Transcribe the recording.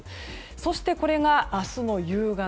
そしてこれが、明日の夕方。